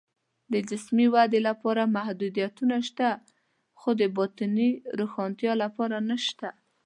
د جسمي ودې لپاره محدودیتونه شته، خو د باطني روښنتیا لپاره نشته